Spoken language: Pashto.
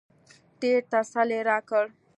ډېر تسل يې راکړ.